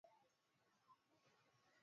Tumia vikombe mbili nga wa ngano